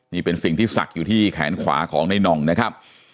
นี่เป็นสิ่งที่ศักดิ์อยู่ที่แขนขวาของในน่องนะครับ